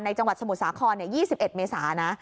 จังหวัดสมุทรสาคร๒๑เมษานะ